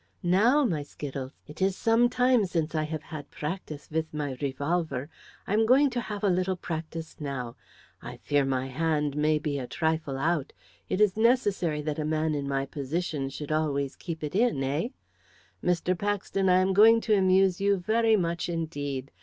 "Now, my Skittles, it is some time since I have had practice with my revolver; I am going to have a little practice now. I fear my hand may be a trifle out; it is necessary that a man in my position should always keep it in eh? Mr. Paxton, I am going to amuse you very much indeed.